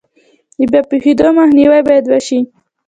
د بیا پیښیدو مخنیوی باید وشي.